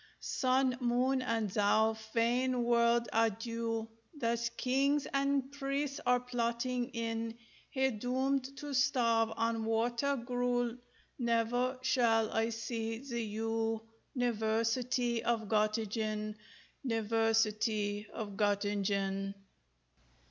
[A]Sun, moon, and thou, vain world, adieu! That kings and priests are plotting in: Here doomed to starve on water gru el, never shall I see the U niversity of Gottingen, niversity of Gottingen.